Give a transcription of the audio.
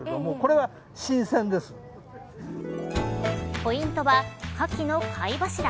ポイントは、かきの貝柱。